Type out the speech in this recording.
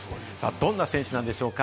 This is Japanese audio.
どんな選手なんでしょうか？